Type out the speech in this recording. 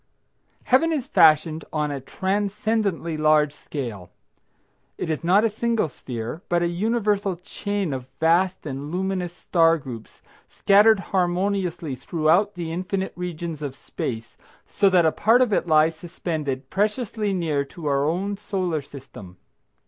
Heaven is fashioned on a transcendently large scale. It is not a single sphere, but a universal chain of vast and luminous star groups, scattered harmoniously throughout the infinite regions of space, so that a part of it lies suspended preciously near to our own Solar System.